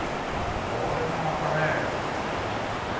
これもまたねへえ。